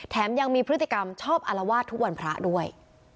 ยังมีพฤติกรรมชอบอารวาสทุกวันพระด้วย